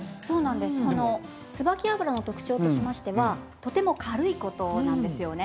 椿油の特徴としてとても軽いことなんですよね。